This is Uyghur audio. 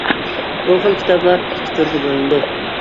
بۇ خىل كىتابلار ئىككى تۈرگە بۆلۈنىدۇ.